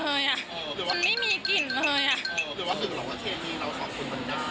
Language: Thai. คือว่าถึงหลอกว่าเกรดมีเราสองคนเหมือนกัน